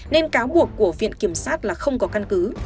nên cáo buộc của viện kiểm sát là không có căn cứ